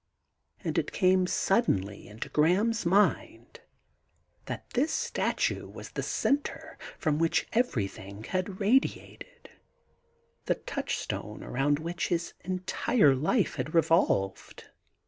And it came suddenly into Graham's mind that this statue was the centre from which everything had radiated ; the touchstone around which his whole life had revolved.